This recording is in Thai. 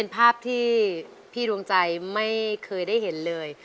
ภาพที่พี่ดวงใจไม่เคยได้เห็นเลย